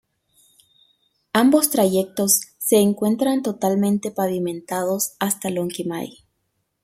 Ambos trayectos se encuentran totalmente pavimentados hasta Lonquimay.